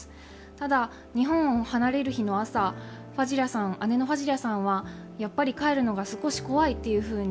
ただ日本を離れる日の朝姉のファジリャさんはやっぱり帰るのが少し怖いということを